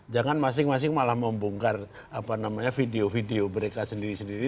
jangan masing masing malah membongkar video video mereka sendiri sendiri